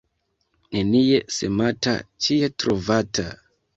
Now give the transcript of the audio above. Nenie semata, ĉie trovata.